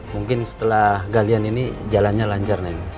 mungkin setelah galian ini jalannya lancar neng